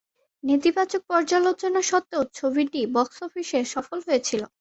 নেতিবাচক পর্যালোচনা সত্ত্বেও ছবিটি বক্স অফিসে সফল হয়েছিল।